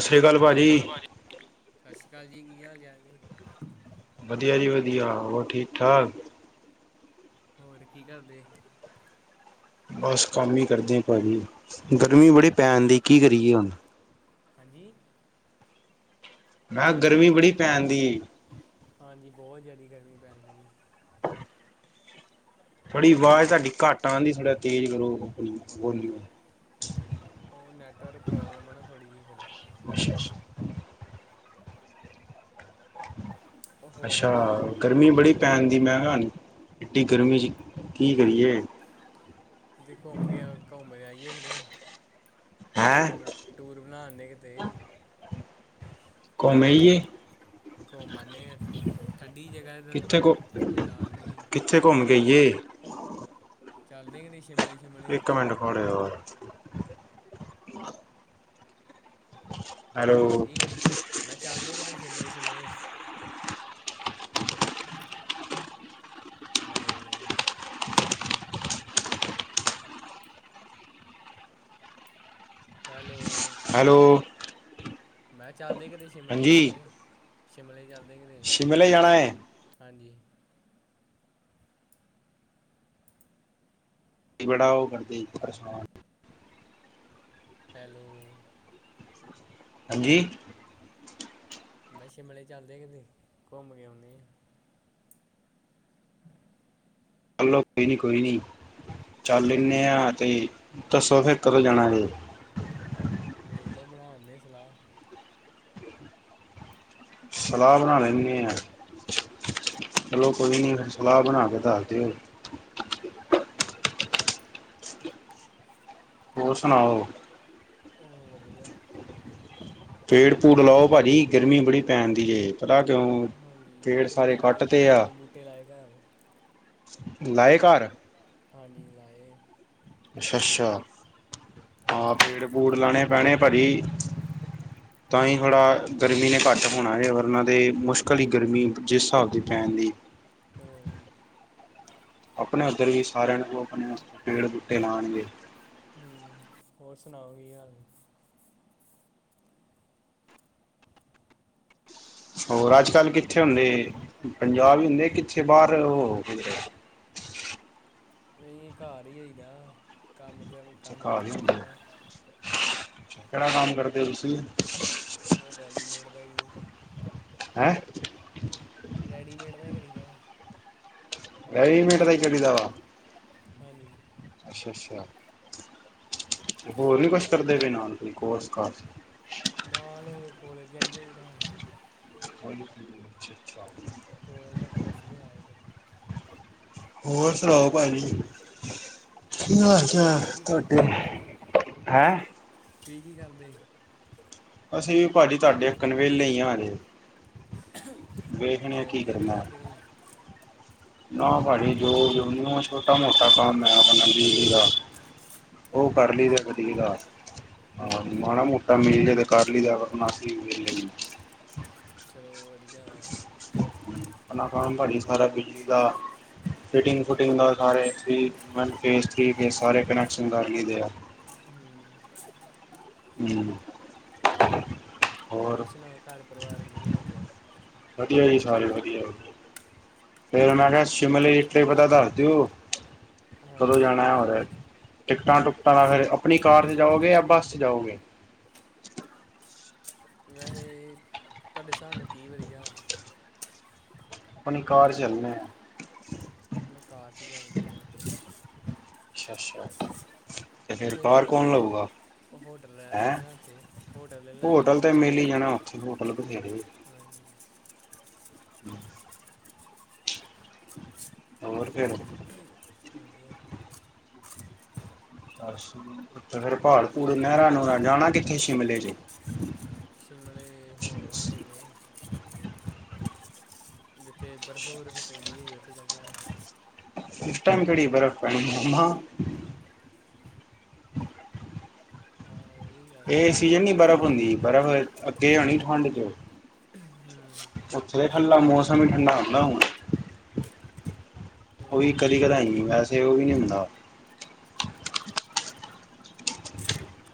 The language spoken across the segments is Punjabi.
ਸ਼੍ਰੀ ਸਤਿ ਅਕਾਲ ਸ਼੍ਰੀ ਆਕਾਲ ਭਾਜੀ ਪਾਜੀ। ਸਤਿ ਸ਼੍ਰੀ ਆਕਾਲ ਜੀ। ਕੀ ਹਾਲ ਚਾਲ ਜੇ? ਵਧੀਆ ਜੀ ਵਧੀਆ ਹੋਰ ਠੀਕ ਠਾਕ। ਹੋਰ ਕੀ ਕਰਦੇ? ਬਸ ਕੰਮ ਹੀ ਕਰਦੇ ਆ ਭਾਜੀ ਗਰਮੀ ਬੜੀ ਪੈਣ ਦੀ ਕੀ ਕਰੀਏ ਹੁਣ। ਹਾਂਜੀ। ਐ ਗਰਮੀ ਬੜੀ ਪੈਂਦੀ ਹਾਂਜੀ ਬਹੁਤ ਜ਼ਿਆਦਾ ਗਰਮੀ ਪੈਂਦੀ। ਥੋੜੀ ਆਵਾਜ਼ ਤੁਹਾਡੀ ਘੱਟ ਆਉਂਦੀ ਥੋੜਾਂ ਤੇਜ਼ ਕਰੋੋ ਵੋਲ੍ਹੇ ਓ ਨੈਟਰਕ ਪ੍ਰੋਬਲਮ ਅ ਨਾ ਥੋੜ੍ਹੀ ਜੀ ਫਿਰ। ਅੱਛਾ ਅੱਛਾ। ਉਹ ਹੋਰ ਅੱਛਾ। ਗਰਮੀ ਬੜੀ ਪੈਣ ਦੀ ਮੈਂ ਕਿਹਾ ਐਡੀ ਗਰਮੀ ਚ ਕੀ ਕਰੀਏ। ਦੇਖੋਮ ਘੁੰਮ ਆਈਏ ਵੀਰੇ। ਹੈਂ ਟੂਰ-ਟੂਰ ਬਣਾਨ ਨੇ ਕਿਤੇ। ਕੋੱਮ ਆਈਏ ਕੋੱਮ ਆਨੇ ਆ ਠੰਡੀ ਜਗਾ ਤੇ। ਕਿੱਥੇ ਘੁ [unintelligible] ਕਿੱਥੇ ਕੋੱਮ ਕੇ ਆਈਏ? ਚੱਲਦੇ ਕਿ ਨਹੀਂ ਸ਼ਿਮਲੇ ਸ਼ਿਮਲੇ ਇੱਕ ਮਿੰਟ [unintelligible] ਖੜ ਯਾ। ਹੈਲੋ ਹਾਂਜੀ ਮੈਂ ਚੱਲਦੇ ਕਿਤੇ ਸ਼ਿਮਲੇ ਸ਼ਿਮਲੇ। [inaudible] ਹੈਲੋ। ਹੈਲੋ। ਹੈਲੋ। ਮੈਂ ਚੱਲਦੇ ਕਿਤੇ ਸ਼ਿਮਲੇ ਹਾਂਜੀ ਸ਼ੁਮਲੇ। ਸ਼ਿਮਲੇ ਚੱਲਦੇ ਕੀਤੇ। ਸ਼ਿਮਲੇ ਜਾਣਾ ਹੈ ਹਾਂਜੀ। ਬੜਾ ਉਹ ਕਰਦੇ ਪਰੇਸ਼ਾਨ। ਹੈਲੋ। ਹਾਂਜੀ। ਮੈਂ ਸ਼ਿਮਲੇ ਚੱਲਦੇ ਕਿਤੇ ਘੁੰਮ ਕੇ ਆਉਂਦੇ ਆਂ। ਚਲੋ ਕੋਈ ਨੀ, ਕੋਈ ਨੀ, ਚੱਲ ਲੇਨੇ ਆ, ਤੇ ਦੱਸੋ ਫੇਰ ਕਦੋ ਜਾਨਾ ਜੇ? ਵੇਖਲੋ ਬਣਾਦੇ ਸਲਾਹ। ਸਲਾਹ ਬਣਾ ਲੈਂਦੇ ਆ ਚਲੋ ਹਾਂਜੀ ਕੋਈ ਨੀ। ਸਲਾਹ ਬਣਾ ਕੇ ਦੱਸ ਦਿਓ। ਹੋਰ ਸੁਣਾਓ। ਹੋਰ ਵਦੀਆ। ਪੇੜ-ਪੂੜ ਲਾਓ ਪਾਜੀ ਗਰਮੀ ਬੜੀ ਪੈਂਨਦੀ ਏ ਪਤਾ ਕਿਉਂ ਹਾਂਜੀ ਪੇੜ ਅਸੀਂ ਵੀ ਸਾਰੇ ਲਾਏ ਕੱਟ ਤੇ ਆ। ਤਿੰਨ ਬੂਟੇ ਲਾਏ ਘਰ ਲਾਏ ਘਰ ਹਾਂਜੀ ਲਾਏ। ਅੱਛਾ ਅੱਛਾ ਹਾਂ ਪੇੜ ਪੂੜ ਲਾਣੇ ਪੈਣੇ ਪਾਜੀ। ਤਾਂ ਈਂ ਥੋੜਾ ਹਾਂਜੀ ਗਰਮੀ ਨੇ ਘੱਟ ਹੋਣਾ ਏ ਵਰਨਾ ਤੇ ਮੁਸ਼ਕਲ ਈ ਗਰਮੀ ਜਿਸ ਸਾਬ ਦੀ ਪੈਣ ਦੀ। [unintelligible] ਆਪਣੇ ਉੱਧਰ ਵੀ ਸਾਰਿਆਂ ਨੂੰ ਕਓ ਆਪਣੇ ਪੇੜ ਬੂਟੇ ਲਾਣਗੇ। ਹੂੰ ਹੋਰ ਸੁਣਾਓ ਕੀ ਹਾਲ ਨੇ? ਹੋਰ ਅੱਜ ਕੱਲ੍ਹ ਕਿੱਥੇ ਹੁੰਦੇ ਪੰਜਾਬ ਹੀ ਹੁੰਦੇ ਕਿੱਥੇ ਬਾਹਰ ਹੋ। ਨਹੀਂ ਘਰ ਹੀ ਹੋਈ ਦਾ ਕੰਮ ਕਰਨ। ਕਿਹੜਾ ਕੰਮ ਕਰਦੇ ਤੁਸੀਂ? ਮੈ ਰੈਡੀਮੇਟ ਦਾ ਹੀ। ਹੈ। ਰੈਡੀਮੇਟ ਦਾ ਈ ਕਰੀਜਾਂ। [unintelligible] ਮੈ ਵੀ ਬਿਹ ਮੀਨੇਟ ਵਿਚ ਚਲਾ ਜਾਂ ਗਾ। [unintelligible] ਹੈਨੀ। ਅੱਛਾ‌ ਅੱਛਾ। ਹੋਰ ਵੀ ਕੁਛ ਕਰਦੇ ਪਏ ਨਾਲ ਕੋਈ ਕੋਰਸ ਕਾਸ਼। ਨਾਲ ਹੀ ਕੋਲਜ ਚੱਲੇ ਜਾਈਦਾ। ਅੱਛਾ ਅੱਛਾ। ਖੋਹੇ ਦੇ ਫੋਰਸ ਲਿਆਏ ਜੇ। ਹੋਰ ਸੁਣਾਓ ਭਾਜੀ। ਕੀ ਵਧੀਆ ‌ਹਾਲ ਹੋਰ ਚਾਲ ਤੁਸੀਂ ਕੀ ਕਰਦੇ ਤੁਹਾਡੇ। ਤੁਸੀਂ ਕੀ ਕਰਦੇ। ਅਸੀਂ ਵੀ ਪਾਜੀ ਤਾਡੇ ਅੱਕਣ ਵੇਲੇ ਈ ਆ ਅਜੇ। ਕੀ ਜੋਬ-ਜੂਬ ਨੀ ਕਰਨਾ ਕਰਦੇ ਕੋਈ? ਨਾ ਪਾਜੀ ਜੋ ਵੀ ਓਨੂੰ ਛੋਟਾ-ਮੋਟਾ ਕੰਮ ਐ ਆਪਣਾ ਬਿਜਲੀ ਦਾ। ਉਹ ਕਰਲੀ ਫੇਰ ਅੱਛਾ ਵਧੀ ਦਾਸ। ਹਾਂ ਮਾੜਾ ਮੋਟਾ ਮਿਲ ਜੇ ਤੇ ਕਰ ਲਈ ਦਾ [unintelligible] ਕਰ ਨਾ। ਚਲੋ ਵਧੀਆ ਹਾਂ। ਅਪਨਾ ਖਾਨਦਾਨ ਈ ਸਾਰਾ ਬਿਜਲੀ ਦਾ। ਫਿਟਿੰਗ-ਫੁਟਿੰਗ ਦਾ ਸਾਰੇ ਬੀ ਵਨ ਫੇਸ, ਥ੍ਰੀ ਫੇਸ ਸਾਰੇ ਕੁਨੈਕਸ਼ਨ ਕਰ ਲੀ ਦੇ ਆ। ਹੂੰ। ਹੂ। ਹੋਰ ਸੁਨਾਓ, ਘੱਰ ਪਰਿਵਾਰ ਕੀ ਹਾਲ-ਚਾਲ। ਵਧੀਆ ਜੀ ਸਾਰੇ ਵਧੀਆ ਤੇ ਮੈਂ ਕਿਹਾ ਔਰ ਸ਼ਿਮਲੇ। ਫੇਰ ਪਤਾ ਦਸ ਦਿਓ, ਕਦੋਂ ਹਾਂਜੀ ਜਾਣੈ ਜ਼ਰੂਰ ਹੋਰ ਦੱਸਦਾਂਗੇ ਟਿਕਟਾਂ-ਟੁਕਟਾਂ ਦਾ ਫੇਰ ਆਪਣੀ ਕਾਰ ਚ ਜਾਓਗੇ ਜਾਂ ਬੱਸ ਚ ਜਾਓਗੇ? ਵੈਸੇ ਤੁਹਾਡੇ ਹਿਸਾਬ ਨਾਲ ਕੀ ਵਧੀਆ। ਆਪਣੀ ਕਾਰ ਚ ਚੱਲਣੇ ਆ। ਕਾਰ 'ਚ ਜਾਂਦੇ ਨੇ। ਅੱਛਾ-ਅੱਛਾ ਤੇ ਫੇਰ ਉੱਥੇ ਕਾਰ ਹੋਟਲ ਕੌਣ ਲਊਗਾ? ਹੋਟਲ ਲੈ ਹੈਂ ਦਾਂਗੇ ਨਾ ਓਥੇ, ਹੋਟਲ ਲੈ ਲਾਂਗੇ ਹੋਟਲ ਤੇ ਓਥੇ। [inaudible] ਮਿਲ ਹੀ ਜਾਣਾ ਉੱਥੇ ਹੋਟਲ ਬਥੇਰੇ ਹ। ਹੋਰ, ਫੇਰ। ਹੁੰਦੀਆ। ਹਰਸ਼ ਫਿਰ ਭਾੜ ਭੂੜ ਨਹਿਰਾਂ ਨੂਰਾਂ ਜਾਣਾ ਕਿੱਥੇ ਸ਼ਿਮਲੇ ਚ। ਸ਼ਿਮਲੇ ਹੋਵਾਂਗੇ ਤੇ। ਜਿੱਥੇ ਬਰਫ਼ ਬੁਰਫ਼ ਪੈਂਦੀ ਹੋਈ ਉੱਥੇ ਚੱਲ ਜਾਣਗੇ। ਇਸ ਟਾਈਮ ਕੜੀ ਬਰਫ਼ ਪੈਣੀਂ। ਹਾਂ ਇਹ ਵੀ ਗੱਲ ਇਹ ਸਹੀ ਸੀਜਨ ਨੀ ਬਰਫ਼ ਹੁੰਦੀ ਬਰਫ਼, ਅੱਗੇ ਆਉਣੀ ਠੰਡ ਚ। ਹੂੰ ਓਥੇ ਤੇ ਠਲਾ ਮੌਸਮ ਈ ਠੰਡਾ ਹੁੰਦਾ ਹੁਣ। ਤੇ ਉਹ ਹੋਰ ਵੀ ਕਦੀ ਕਦਾਈ, ਵੈਸੇ ਉਹ ਵੀ ਨਹੀਂ ਹੁੰਦਾ।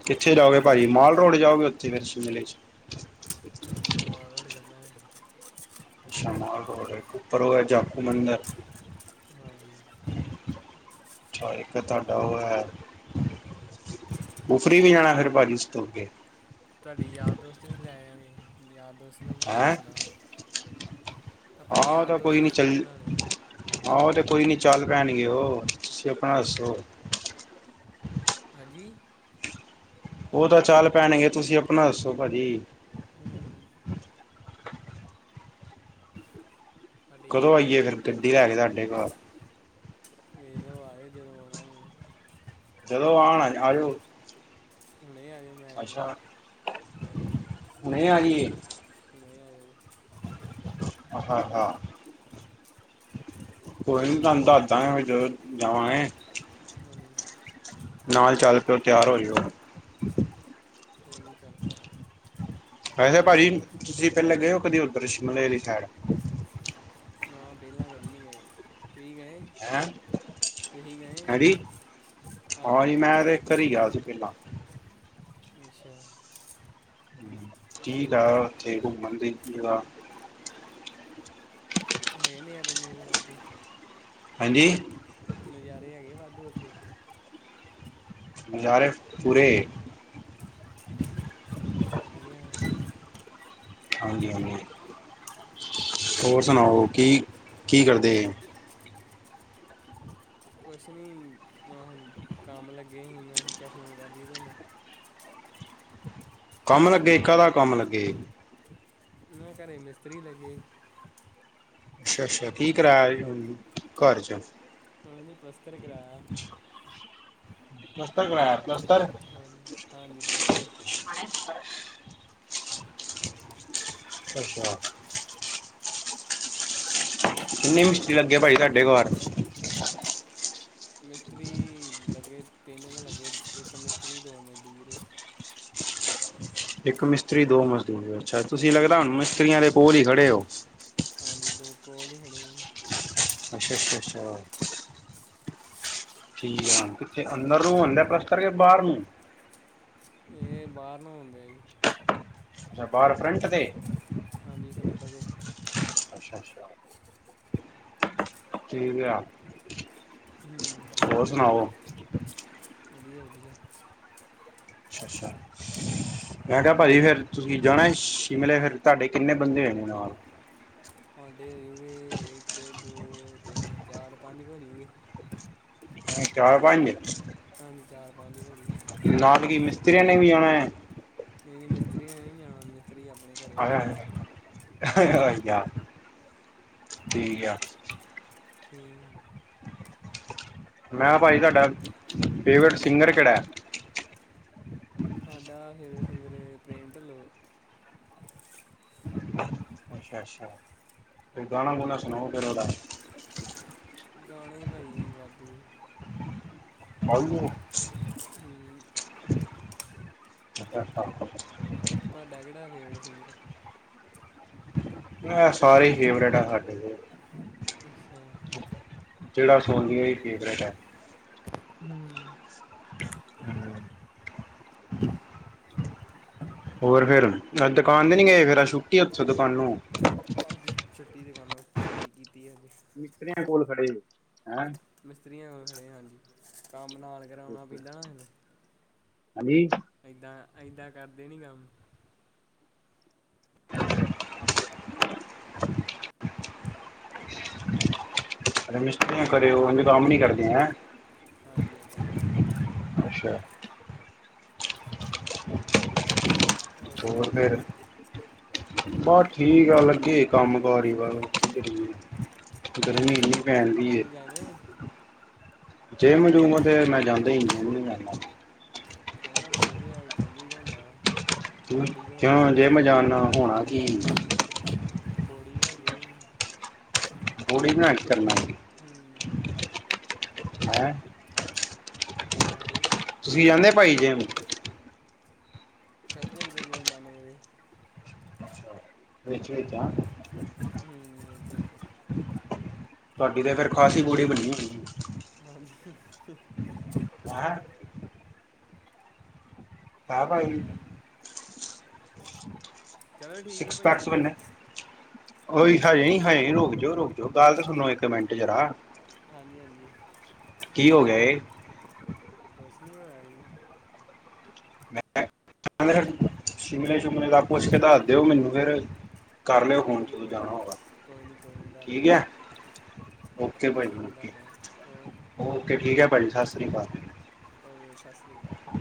ਕਿੱਥੇ ਜਾਓਗੇ ਗਰਮੀ ਪਾਈ ਸਾਡੇ ਮਾਲ ਪਾਸ ਰੋਡ ਜਾਓਗੇ ਓਥੇ ਫੇਰ ਸ਼ਿਮਲੇ ਚ? ਨੀ ਮਾਲ ਰੋਡ ਚਲਾ ਜਾਂ ਗੇ। ਅੱਛਾ ਮਾਲ ਰੋਡ ਏ, ਉਪਰ ਐ ਜਾਕੂ ਮੰਦਰ। ਹਾਂਜੀ। ਅੱਛਾ ਇੱਕ ਤੁਹਾਡਾ ਉਹ ਹੈ। ਕੁਫਰੀ ਨੀ ਜਾਣਾ ਫੇਰ ਪਾਜੀ ਇਸ ਤੋ ਅੱਗੇ। ਤੁਹਾਡੀ ਯਾਰ ਦੋਸਤ ਵੀ ਲੈ ਜਾ ਗੇ ਯਾਰ ਦੋਸਤ ਨੂੰ ਬਣਾ ਲਈ ਸਲਾਹ। ਆਪਣੇ ਆਂ ਯਾਰ ਤਾਂ ਦੋਸਤ ਕੋਈ ਨਾਲ ਨੀ ਸਲਾਹ ਚਲੀਏ। ਬਣਾ ਲਿਓ ਆਹ ਉਹ ਤੇ ਕੋਈ ਨੀ ਚਲ ਪੈਣਗੇ ਉਹ ਤੁਸੀਂ ਆਪਣਾ ਦੱਸੋ। ਹਾਂਜੀ। ਉਹ ਤਾਂ ਚਲ ਪੈਣਗੇ, ਤੁਸੀਂ ਆਪਣਾ ਦੱਸੋ ਭਾਜੀ। ਹੂ। ਸਾਡੇ ਕਦੋਂ ਯਾਰ ਆਈਏ ਦੋਸਤ ਫਿਰ ਗੱਡੀ ਲੈ ਕੇ ਤੁਹਾਡੇ ਘਰ। ਵੇਖਲੋ ਆਏ, ਜੇ ਦੋਂ ਆਉਣਾ। ਜਦੋਂ, ਆਣਾ ਆਜੋ। ਹੁਣੇ ਆਜੋ ਮੈਂ ਕਹਿਣਾ ਹਾਂਜੀ। ਹੁਣੇ ਆਜਿਏ। [unintelligible] ਹੁਣੇ ਆਈ ਹੋ। ਹਾਂ, ਹਾਂ। ਕੋਈ ਨੀ ਤੁਹਾਨੂੰ ਦੱਸਦਾ ਗੇ ਜਦੋਂ ਜਾਵਾਂਗੇ। ਹਾਂਜੀ। ਨਾਲ ਚੱਲ ਪਿਓ ਤਿਆਰ ਹੋ ਜਓ ਕੋਇ ਨੀ ਚਲ ਪਾਂਗੇ ਵੈਸੇ ਪਾਜੀ ਤੁਸੀਂ ਪਹਿਲੇ ਗਏ ਹੋ ਕਦੀ ਉਧਰ ਸ਼ਿਮਲੇ ਅਲੀ ਸਾਈਡ ਨਾ ਪਹਿਲਾਂ ਕਦੀ ਨੀ ਗਏ ਤੁਹੀ ਗਏ ਹੈਂ ਤੁਹੀ ਗਏ ਹਾਂਜੀ ਆਹੋ। ਹਾਂ ਜੀ ਮੈਂ ਤੇ ਇੱਕ ਕਰੀ ਗਿਆ ਸੀ ਪਹਿਲਾਂ। ਅੱਛਾ। ਕੀ ਦਾ ਉੱਥੇ ਘੁੰਮਣ ਦੀ ਜਗਾਹ? ਹੈ ਨੇ ਯਾਰਨਰੇ ਵਾਧੂ। ਹਾਂਜੀ। ਨਜ਼ਾਰੇ ਹੈਗੇ ਵਾਧੂ ਉੱਥੇ। ਨਜ਼ਾਰੇ ਪੂੁਰੇ। ਵਧੀਆ ਹੈ। ਹਾਂਜੀ ਹਾਂਜੀ। ਹੋਰ ਸੁਣਾਓ ਕੀ ਕੀ ਕਰਦੇ? ਕੁਛ ਨੀ ਮੈਹ ਕੰਮ ਲੱਗੇ ਹੀ ਮੈਂ ਸੋਚਿਆ ਫੋਨ ਕਰ ਲਈਏ ਤੁਹਾਨੂੰ। ਕੰਮ ਲੱਗੇ। ਕਾਦਾ ਕੰਮ ਲੱਗੇ? ਮੈਂ ਘਰੇ ਮਿਸਤਰੀ ਲੱਗੇ। ਅੱਛਾ-ਅੱਛਾ ਕੀ ਕਰਾਇਆ ਹੀ ਹੁਣ ਘਰ ਚ? ਕੁਛ ਨੀ ਪਲੱਸਤਰ ਕਰਾਆ। ਪਲੱਸਤਰ ਕਰਾਆ ਪਲੱਸਤਰ? ਹਾਂਜ-ਹਾਂਜੀ ਪਲਸਤਰ [unintelligible] ਅੱਛਾ। ਕਿੰਨੇ ਲੱਗੇ ਭਾਈ ਤੁਹਾਡੇ ਘਾਰ? ਮਿਸਤਰੀ ਲੱਗੇ ਤਿੰਨ ਕ ਲੱਗੇ ਇੱਕ ਮਿਸਤਰੀ ਦੋ ਮਜ਼ਦੂਰ ਇਹ। ਇੱਕ ਮਿਸਤਰੀ ਦੋ ਮਜ਼ਦੂਰ ਅੱਛਾ ਤੁਸੀਂ ਲੱਗਦਾ ਹੂੰ ਹੁਣ ਮਿਸਤਰੀਆਂ ਦੇ ਕੋਲ ਹੀ ਖੜੇ ਹੋ? ਹਾਂਜੀ ਦੋ ਕੋਲ ਹੀ ਖੜੇ ਈ। ਅੱਛ ਅੱਛ-ਅੱਛਾਹ। ਠੀਕ ਆ ਹੁਣ ਕਿੱਥੇ ਅੰਦਰ ਨੂੰ ਹੋਂਡਿਆ ਪਲੱਸਤਰ ਕੇ ਬਾਹਰ ਨੂੰ? ਇਹ ਬਾਹਰ ਨੂੰ ਹੁਂਦਾ ਜੀ। ਅੱਛਾ ਬਾਰ ਫਰੰਟ ਤੇ? ਹਾਂਜੀ ਫਰੈਂਡ ਦੇ। ਅੱਛਾ, ਅੱਛਾ। ਠੀਕ ਆ। ਹਮ। ਹੋਰ ਸੁਣਾਓ? ਵਧੀਆ, ਵਧੀਆ। ਅੱਛਾ, ਅੱਛਾ। ਮੈਂ ਕਿਹਾ ਭਾਜੀ ਫੇਰ ਤੁਸੀਂ ਜਾਣਾ ਸ਼ਿਮਲੇ ਫੇਰ ਤੁਹਾਡੇ ਕਿੰਨੇ ਬੰਦੇ ਹੋਈ ਨੇ ਨਾਲ? ਸਾਡੇ ਹੋਜੂਗੇ ਇੱਕ ਦੋ ਤਿੰਨ ਚਾਰ ਪੰਜ ਕੁ ਹੋਜੂਗੇ। ਚਾਰ ਪੰਜ? ਚਾਰ ਪੰਜ ਹੋ ਜਾੂਗੇ। ਨਾਲ ਕਿ ਮਿਸਤਰੀਆਂ ਨੇ ਵੀ ਜਾਣਾ ਹੈ? ਨਈ ਜੀ ਮਿਸਤਰੀਆਂ ਨੇ ਨੀ ਜਾਣਾ ਮਿਸ ਯ ਠੀਕ ਆ। ਠੀਕ। [unintelligible] ਮੈਂ ਭਾਜੀ ਤੁਹਾਡਾ ਫੇਵਰੇਟ ਸਿੰਗਰ ਕਿਹੜਾ ਐ? ਸਾਡਾ ਫੇਵਰੇਟ ਸਿੰਗਰ ਪ੍ਰੇਮ ਢਿੱਲੋ। ਅੱਛਾ, ਅੱਛਾ। ਫਿਰ ਗਾਣਾ ਗੁਣਾ ਸੁਣਾਓ ਫਿਰ ਉਹਦਾ? ਗਾਣੇ ਭਈ ਵਾਧੂ। ਵਾਧੂ। ਹਮ। ਅੱਛਾ। ਤੁਹਾਡਾ ਕਿਹੜਾ ਫੇਵਰੇਟ ਸਿੰਗਰ? ਇਹ ਸਾਰੇ ਫੇਵਰੇਟ ਆ ਸਾਡੇ। ਅੱਛਾ ਜਿਹੜਾ ਸੋਨੀ ਇਹ ਫੇਵਰੇਟ ਹੈ। ਹਮ ਹੋਰ ਫੇਰ ਅੱਜ ਦੁਕਾਨ ਤੇ ਨੀ ਗਏ ਅੱਜ ਫੇਰ ਛੁੱਟੀ ਉੱਥੋਂ ਦੁਕਾਨੋ। ਅੱਜ ਛੁੱਟੀ ਦੁਕਾਨੋ ਛੁੱਟੀ ਕੀਤੀ ਹੈ ਅਜ। ਮਿਸਤਰੀਆਂ ਕੋਲ ਖੜੇ ਸੀ ਹੈਂ? ਮਿਸਤਰੀਆਂ ਕੋ ਖੜੇ ਹਾਂ ਅੱਜ ਕੰਮ ਨਾਲ ਕਰਾਉਣਾ ਪੈਂਦਾ ਨਾਲੇ। ਹਾਂਜੀ। ਏਦਾਂ, ਏਦਾਂ ਕਰਦੇ ਨੀ ਕੰਮ। ਅਗਰ ਮਿਸਤਰੀ ਨਾਲ ਖੜੇ ਨਾ ਹੋਵੋ ਉਹ ਕੰਮ ਨੀ ਕਰਦੀ ਹੈ। ਹਾਂਜੀ ਏਦਾਂ ਨੀ ਕਰਦੇ ਕਮ। ਅੱਛਾ। ਹੋਰ ਸੁਣਾਓ ਫਿਰ। ਤੁਸੀਂ ਬਸ ਠੀਕ ਆ ਲੱਗੇ ਕੰਮ ਕਾਰ ਵੱਲ। ਗਰਮੀ ਇਨੀ ਪੈਣ ਡਈ ਏ ਇਥੇ। ਐਵੇਂ। ਜਿਮ ਜੁਮ ਤੇ ਮੈਂ ਜਾਂਦਾ ਹੀ ਨਹੀਂ। ਕਿਉਂ ਚੱਲ ਜਾ ਚੱਲੀ ਜਾਈ ਦਾ ਹੁੰਦਾ। ਬੋਡੀ ਬਣ ਕਿਉ ਜੂਗੀ ਜਿਮ ਜਾਣ ਨਾਲ ਹੋਣਾ ਕੀ ਏ? ਬੋਡੀ ਬਣ ਜਾਊਗੀ। ਬੋਡੀ ਬਣਾ ਕੇ ਕਰਨਾ ਕਿ ਏ। ਹਮ ਹੈਂ। ਨਾਈਸ। ਤੁਸੀਂ ਜਾਂਦੇ ਭਾਜੀ ਜਿਮ? ਚਲ ਜਾਈਦਾ ਜਦੋਂ ਮਨ ਕਰੇ। ਵਿੱਚ ਵਿਚ। ਹਮ ਇਹ ਤੇ ਹੈ। ਤੁਹਾਡੀ ਤੇ ਫੇਰ ਖਾਸੀ ਬੋਡੀ ਬਣੀ ਦੀ। ਬਣ ਗਈ। ਹੈਂ? ਹਾਂ ਭਾਈ। ਹੂੰ ਚਲੋ ਠੀਕ ਹੈ ਸਿਕਸ ਭਾਜੀ ਪੈਕਸ ਫਿਰ ਬਣੇ। ਉਹੀ ਹਜੇ ਨੀ ਖਾਏ ਰੁਕ ਜਾਓ। ਰੁੱਕ ਜਾਓ ਗੱਲ ਤਾਂ ਸੁਣੋ ਇੱਕ ਮਿੰਟ ਜਰਾ। ਹਾਂਜੀ- ਹਾਂਜੀ। ਕੀ ਹੋ ਗਿਆ ਇਹ। ਕੁਛ ਨੀ ਹੋਇਆ ਜੀ। ਤਾਂ ਮੇਰਾ ਸ਼ਿਮਲੇ -ਸ਼ੁਮਲੇ ਦਾ ਪੁੱਛ ਕੇ ਦੱਸ ਦਿਓ ਮੈਨੂੰ ਫੇਰ। ਕਰ ਲਿਓ ਫੋਨ ਹਾਂਜੀ ਜਦੋਂ ਕੋਈ ਜਾਣਾ ਨਹੀਂ ਹੋਏਗਾ ਕੋਈ ਨਹੀਂ ਕੋਈ ਨਹੀਂ ਦੱਸ ਠੀਕ ਦਾਂਗੇ ਹੈ। ਓਕੇ ਕੋਈ ਭਾਜੀ ਨਹੀਂ ਦੱਸ ਓਕੇ ਦਾਂਗੇ -ਓਕੇ ਠੀਕ ਹੈ ਭਾਜੀ ਸਤਿ ਸ੍ਰੀ ਅਕਾਲ। ਓਕੇ ਸਤਿ ਸ਼੍ਰੀ ਅਕਾਲ ਜੀ।